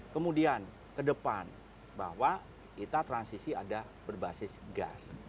kemudian ke depan bahwa kita transisi ada berbasis gas